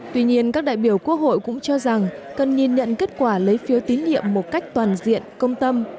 tuy nhiên các đại biểu quốc hội cũng cho rằng cần nhìn nhận kết quả lấy phiếu tín nhiệm một cách toàn diện công tâm